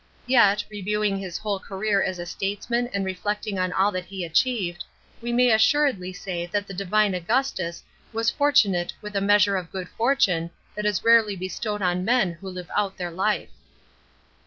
Yet, reviewing his whole career as a statesman and reflecting on all that he achieved, we may assuredly say that the Divine Augu tus was fortunate wiih a measure of good fortune that is rarely bestowed on men who live out the.r life.